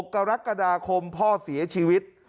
กรกฎาคมพ่อเสียชีวิต